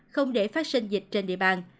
không để phát sinh dịch trên địa bàn